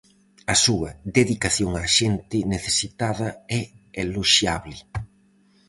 A súa dedicación á xente necesitada é eloxiable.